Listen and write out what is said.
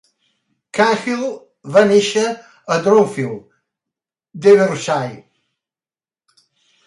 Cahill va néixer a Dronfield, Derbyshire.